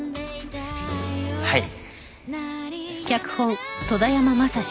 はい。